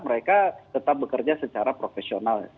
mereka tetap bekerja secara profesional